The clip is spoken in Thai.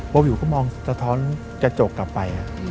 วิวก็มองสะท้อนกระจกกลับไป